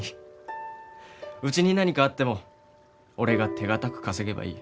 うちに何かあっても俺が手堅く稼げばいい。